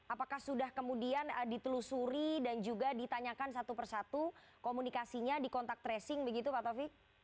apakah sudah kemudian ditelusuri dan juga ditanyakan satu persatu komunikasinya di kontak tracing begitu pak taufik